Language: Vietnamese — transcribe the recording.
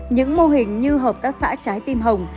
những mô hình như hợp tác xã trái tim hồng